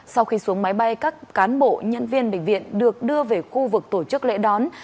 sau khi xuống máy bay các cán bộ nhân viên bệnh viện được đưa về khu vực tổ chức lễ đón